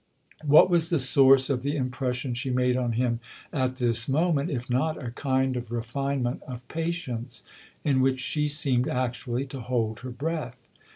What was the source of the impression she made on him at this moment if not a kind of refinement of patience, in which she seemed actually to hold her breath